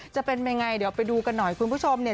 จะเป็นยังไงเดี๋ยวไปดูกันหน่อยคุณผู้ชมเนี่ย